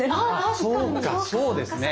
そうですね。